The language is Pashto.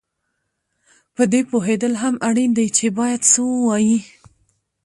په دې پوهېدل هم اړین دي چې باید څه ووایې